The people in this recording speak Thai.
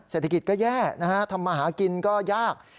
เศรษฐกิจก็แย่นะฮะทำมาหากินก็ยาก